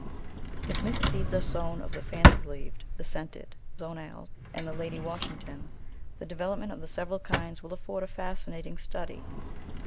If mixed seeds are sown of the fancy leaved, the scented, the zonale and the Lady Washington, the development of the several kinds will afford a fasci nating study.